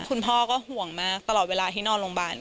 คุณพ่อก็ห่วงมากตลอดเวลาที่นอนโรงพยาบาล